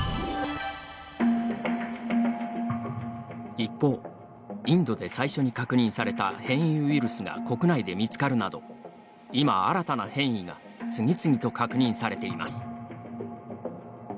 一方、インドで最初に確認された変異ウイルスが国内で見つかるなど今、新たな変異が次々と確認されています。